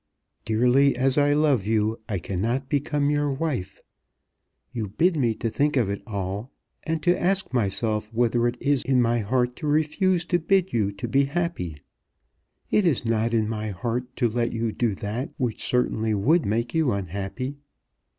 Dearly as I love you I cannot become your wife. You bid me to think of it all, and to ask myself whether it is in my heart to refuse to bid you to be happy. It is not in my heart to let you do that which certainly would make you unhappy.